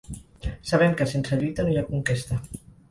Sabem que sense lluita no hi ha conquesta.